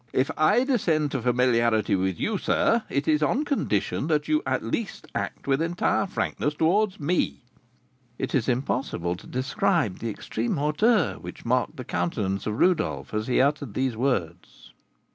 "If I descend to familiarity with you, sir, it is on condition that you, at least, act with entire frankness towards me." It is impossible to describe the extreme hauteur which marked the countenance of Rodolph as he uttered these words.